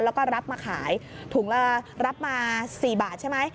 แล้วก็รับมาขายถุงละรับมา๔บาทใช่ไหม